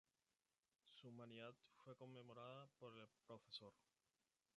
Su humanidad fue conmemorada por el prof.